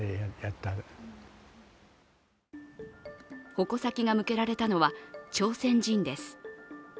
矛先が向けられたのは朝鮮人です。